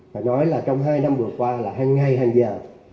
phải nói là trong hai năm vừa qua là hàng ngày hàng giờ